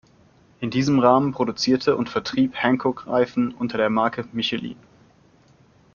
In diesem Rahmen produzierte und vertrieb Hankook Reifen unter der Marke "Michelin".